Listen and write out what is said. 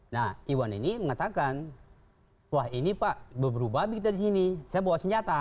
nah iwan ini mengatakan wah ini pak berubah begitu di sini saya bawa senjata